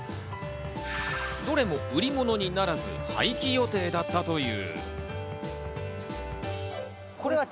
どれも売り物にならず廃棄予定だったという。